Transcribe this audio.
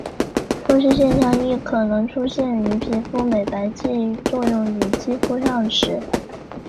脱失现象亦可能出现于皮肤美白剂作用于肌肤上时。